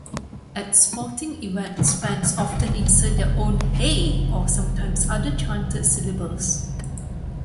At sporting events, fans often insert their own "Hey", or sometimes other chanted syllables.